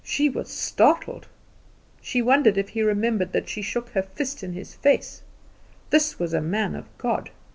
She was startled. She wondered if he remembered that she shook her fist in his face. This was a man of God.